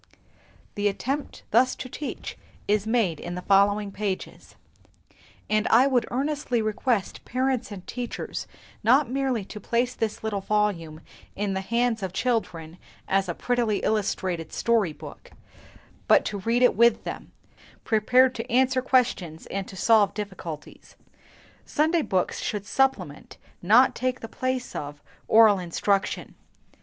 The attempt thus to teach is made in the following pages; and I would earnestly request parents and teachers not merely to place the little volume in the hands of children as a prettily illustrated story book, but to read it with them, prepared to answer questions and to solve difficulties. Sunday books should supplement, not take the place of, oral instruction.